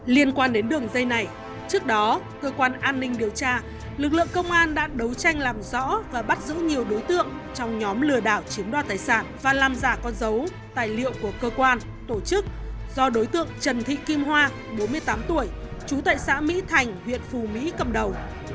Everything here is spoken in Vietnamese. liên quan đến đường dây này trước đó cơ quan an ninh điều tra lực lượng công an đã đấu tranh làm rõ và bắt giữ nhiều đối tượng trong nhóm lừa đảo chiếm đoạt tài sản và làm giả con dấu tài liệu của cơ quan tổ chức do đối tượng trần thị kim hoa bốn mươi tám tuổi trú tại xã mỹ thành huyện phù mỹ cầm đầu